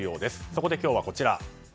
そこで今日は、こちら。